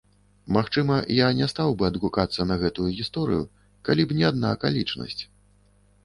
Магчыма, я не стаў бы адгукацца на гэтую гісторыю, калі б не адна акалічнасць.